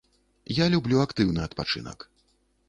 Я люблю актыўны адпачынак.